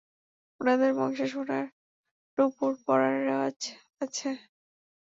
উনাদের বংশে সোনার নূপুর পরার রেওয়াজ আছে।